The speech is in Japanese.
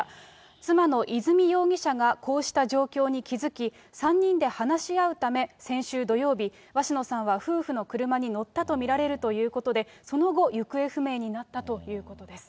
妻の和美容疑者がこうした状況に気付き、３人で話し合うため、先週土曜日、鷲野さんは夫婦の車に乗ったと見られるということで、その後、行方不明になったということです。